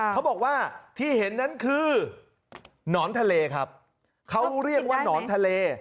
เขาบอกว่าที่เห็นนั้นคือหนอนทะเลครับเขาเรียกว่าหนอนทะเล